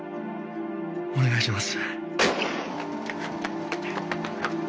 お願いします。